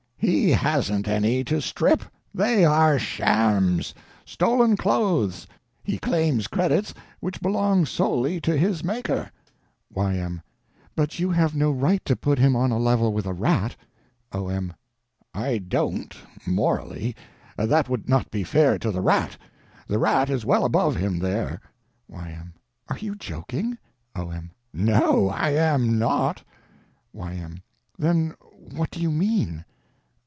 He hasn't any to strip—they are shams, stolen clothes. He claims credits which belong solely to his Maker. Y.M. But you have no right to put him on a level with a rat. O.M. I don't—morally. That would not be fair to the rat. The rat is well above him, there. Y.M. Are you joking? O.M. No, I am not. Y.M. Then what do you mean?